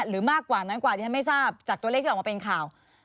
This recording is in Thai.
มากกว่านั้นกว่าที่ฉันไม่ทราบจากตัวเลขที่ออกมาเป็นข่าว